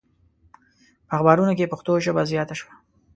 په اخبارونو کې پښتو ژبه زیاته شوه.